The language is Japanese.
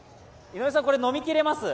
井上さん、これ飲みきれます？